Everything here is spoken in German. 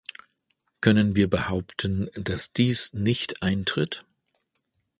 Können wir behaupten, dass dies nicht eintritt?